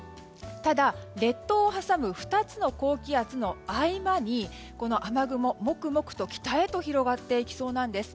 ただ、列島を挟む２つの高気圧の合間に雨雲、モクモクと北へと広がっていきそうなんです。